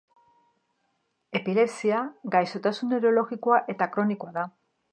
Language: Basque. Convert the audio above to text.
Epilepsia gaixotasun neurologiko eta kronikoa da.